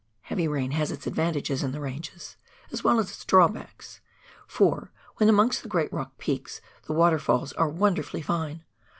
Heavy rain has its advantages in the ranges, as well as its drawbacks, for, when amongst the great rock peaks, the water falls are wonderfully fine.